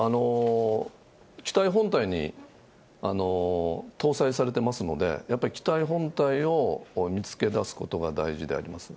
機体本体に搭載されてますので、やっぱり機体本体を見つけ出すことが大事であります。